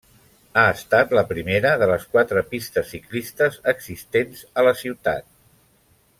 Ha estat la primera de les quatre pistes ciclistes existents a la ciutat.